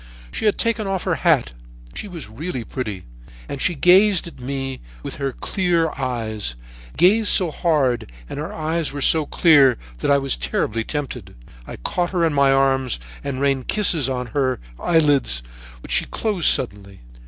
"She had taken off her hat. She was really pretty, and she gazed at me with her clear eyes, gazed so hard and her eyes were so clear that I was terribly tempted. I caught her in my arms and rained kisses on her eyelids, which she closed suddenly.